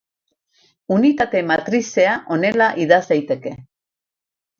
Unitate matrizea honela idatz daiteke.